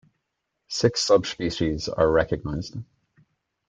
Six subspecies are recognised.